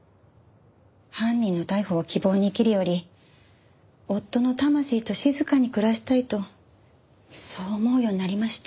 犯人の逮捕を希望に生きるより夫の魂と静かに暮らしたいとそう思うようになりまして。